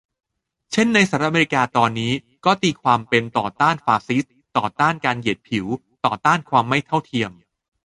เช่นในสหรัฐอเมริกาตอนนี้ ก็ตีความเป็น ต่อต้านฟาสซิสต์ ต่อต้านการเหยียดผิว ต่อต้านความไม่เท่าเทียม